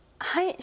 はい？